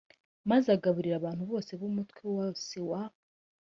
maze agaburira abantu bose b umutwe wose wa